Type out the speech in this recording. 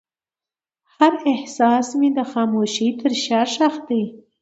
هر احساس مې د خاموشۍ تر شا ښخ دی.